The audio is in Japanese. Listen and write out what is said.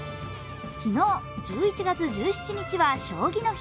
昨日、１１月１７日は将棋の日。